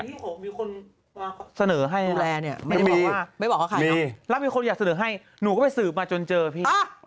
แหมนที่ผมมีคนมาระแรนท์เนี่ย